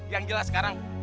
yang jelas sekarang